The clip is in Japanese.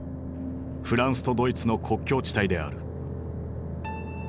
フランスとドイツの国境地帯である。